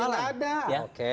saksinya tidak ada oke